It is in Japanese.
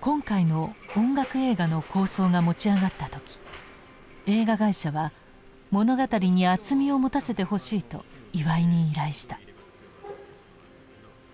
今回の音楽映画の構想が持ち上がった時映画会社は物語に厚みを持たせてほしいと岩井に依頼した。